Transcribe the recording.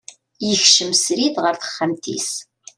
Yekcem srid ɣer texxamt-is.